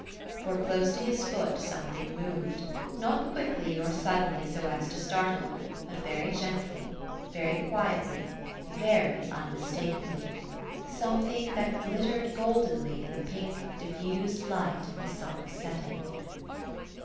For close to his foot something moved, not quickly or suddenly so as to startle, but very gently, very quietly, very unmistakably–something that glittered goldenly in the pink, diffused light of the sun setting.